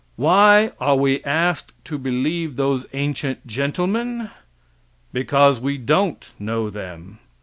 Why are we asked to believe those ancient gentlemen? Because we don't know them.